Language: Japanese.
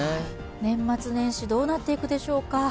年末年始、どうなっていくでしょうか。